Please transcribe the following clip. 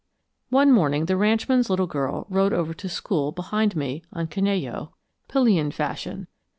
One morning the ranchman's little girl rode over to school behind me on Canello, pillion fashion.